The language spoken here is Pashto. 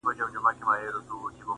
د خپل ارمان د ونې سېوري ته دمه راؤړې